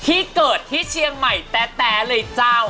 ที่เกิดที่เชียงใหม่แต๊เลยเจ้า